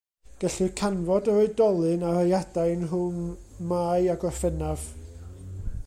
Gellir canfod yr oedolyn ar ei adain rhwng Mai a Gorffennaf.